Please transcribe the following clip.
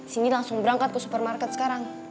sini langsung berangkat ke supermarket sekarang